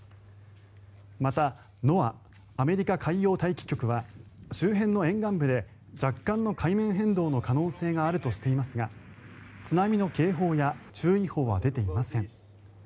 またＮＯＡＡ・アメリカ海洋大気局は周辺の沿岸部で若干の海面変動の可能性があるとしていますが津波の警報や注意報は出ていません。